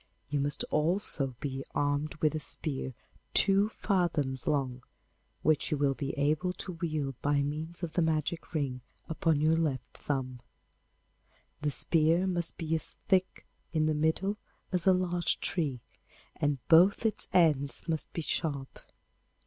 You must also be armed with a spear two fathoms long, which you will be able to wield by means of the magic ring upon your left thumb. The spear must be as thick in the middle as a large tree, and both its ends must be sharp.